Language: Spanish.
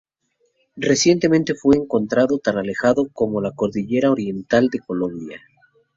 Recientemente fue encontrado tan alejado como en la Cordillera Oriental de Colombia.